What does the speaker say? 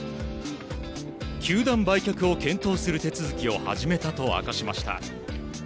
球団売却を検討する手続きを始めたと明かしました。